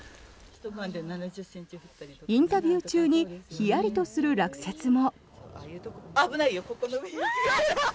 インタビュー中にひやりとする落雪も。